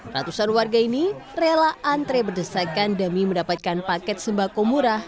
ratusan warga ini rela antre berdesakan demi mendapatkan paket sembako murah